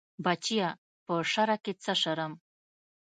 بچيه په شرع کې څه شرم.